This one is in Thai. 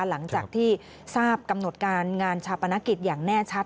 หลังจากที่ทราบกำหนดการงานชาปนกิจอย่างแน่ชัด